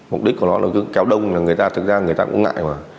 mục đích của nó là cứ kéo đông là người ta thực ra người ta cũng ngại mà